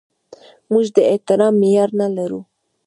موږ د احترام معیار نه لرو.